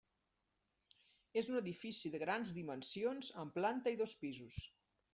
És un edifici de grans dimensions amb planta i dos pisos.